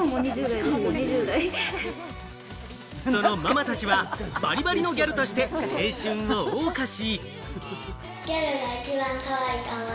そのママたちは、バリバリのギャルとして青春を謳歌し。